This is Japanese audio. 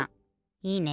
いいね。